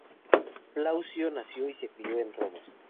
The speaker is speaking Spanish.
Plaucio nació y se crió en Roma.